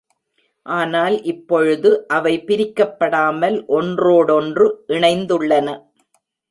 ஆனால் இப்பொழுது அவை பிரிக்கப்படாமல் ஒன்றோடொன்று இணைந்துள்ளன.